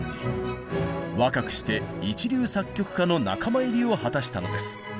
若くして一流作曲家の仲間入りを果たしたのです。